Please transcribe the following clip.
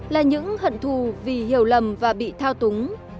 là những hận thù vì hiểu lầm và bị thao túng